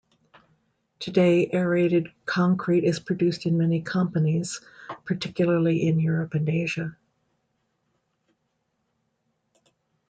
Today aerated concrete is produced in many companies, particularly in Europe and Asia.